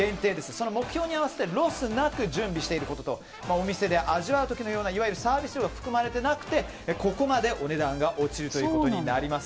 その目標に合わせてロスなく準備していることとお店で味わう時と同じようにいわゆるサービス料が含まれていなくてここまでお値段が落ちるということになります。